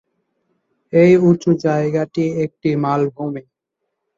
এই উচু জায়গাটি একটি মালভূমি।